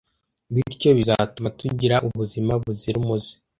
bityo bizatuma tugira ubuzima buzira umuze